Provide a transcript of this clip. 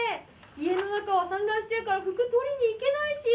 家の中が散乱しているから服を取りにいけないし！